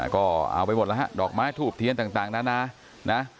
ก็เอาไปหมดแล้วฮะดอกไม้ทูบเทียนต่างนานานะ